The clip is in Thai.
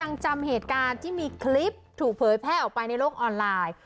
จำเหตุการณ์ที่มีคลิปถูกเผยแพร่ออกไปในโลกออนไลน์